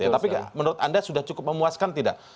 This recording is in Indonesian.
tapi menurut anda sudah cukup memuaskan tidak